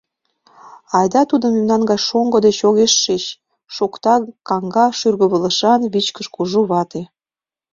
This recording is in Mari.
— Айда тудо мемнан гай шоҥго дек огеш шич, — шокта каҥга шӱргывылышан, вичкыж кужу вате.